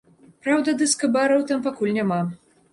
Праўда, дыска-бараў там пакуль няма.